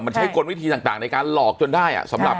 มันใช้กรณวิธีต่างในการหลอกจนได้